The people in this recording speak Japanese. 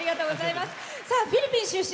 フィリピン出身。